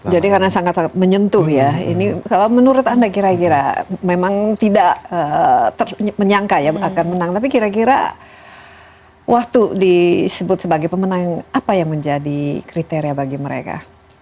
jadi karena sangat menyentuh ya kalau menurut anda kira kira memang tidak menyangka akan menang tapi kira kira waktu disebut sebagai pemenang apa yang menjadi kriteria bagi mereka